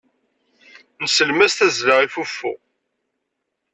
Nsellem-as tazzla i fuffu.